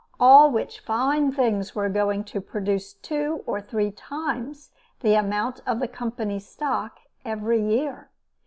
all which fine things were going to produce two or three times the amount of the Company's stock every year.